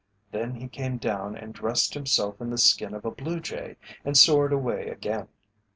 Then he came down and dressed himself in the skin of a blue jay and soared away again.